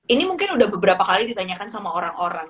ini mungkin udah beberapa kali ditanyakan sama orang orang